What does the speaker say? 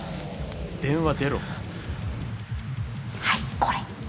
はいこれ。